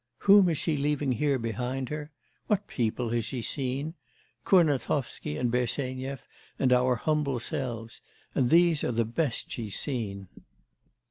Whom is she leaving here behind her? What people has she seen? Kurnatovsky and Bersenyev and our humble selves; and these are the best she's seen.